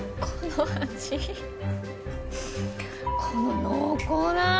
この濃厚な！